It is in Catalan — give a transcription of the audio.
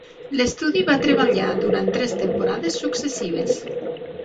L'estudi va treballar durant tres temporades successives.